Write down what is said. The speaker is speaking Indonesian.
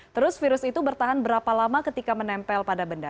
terus virus itu bertahan berapa lama ketika menempel pada benda